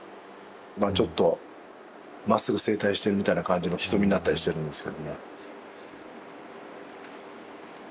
ちょっとまっすぐ正対してるみたいな感じの瞳になったりしてるんですけどね。